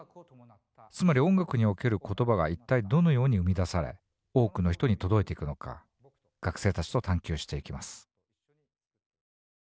つまり音楽における言葉が一体どのように生み出され多くの人に届いていくのか学生たちと探求していきます